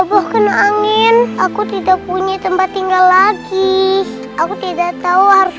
benarkah kamu ingin tinggal di pesantren